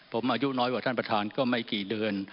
ผมอายุน้อยกว่าท่านประธานก็ไม่กี่เดือน